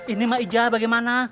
ini mbak ija bagaimana